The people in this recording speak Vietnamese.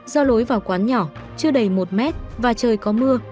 do lối vào quán nhỏ chưa đầy một mét và trời có mưa